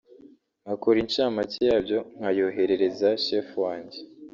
ngakora inshamake yabyo nkayoherereza chef wanjye